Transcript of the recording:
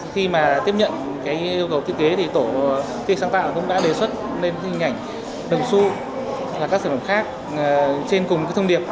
khi mà tiếp nhận yêu cầu thiết kế thì tổ tiên sáng tạo cũng đã đề xuất lên hình ảnh đồng su và các sản phẩm khác trên cùng cái thông điệp